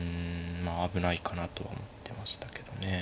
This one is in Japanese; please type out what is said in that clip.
まあ危ないかなと思ってましたけどね。